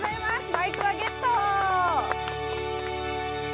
マイクワゲット。